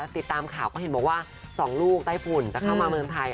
ติดตามข่าวก็เห็นบอกว่า๒ลูกใต้ฝุ่นจะเข้ามาเมืองไทย